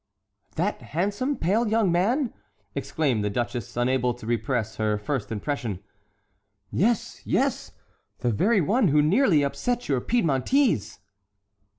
"That handsome, pale young man?" exclaimed the duchess, unable to repress her first impression. "Yes, yes; the very one who nearly upset your Piedmontese."